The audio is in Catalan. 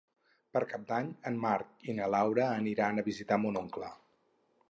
Per Cap d'Any en Marc i na Laura aniran a visitar mon oncle.